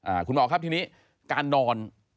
คุณหมอครับทีนี้การนอน